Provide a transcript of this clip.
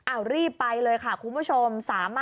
เอารีบไปเลยค่ะคุณผู้ชม